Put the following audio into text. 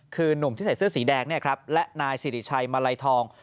คือนุ่มที่ใส่เสื้อสีแดงและนายสิริชัยมาลัยทอง